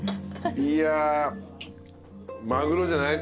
いやマグロじゃない？